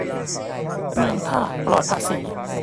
เมืองท่าปลอดภาษี